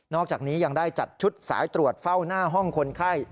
อกจากนี้ยังได้จัดชุดสายตรวจเฝ้าหน้าห้องคนไข้